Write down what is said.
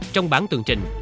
trong bản tường trình